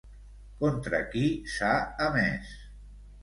Contra qui s'ha emès?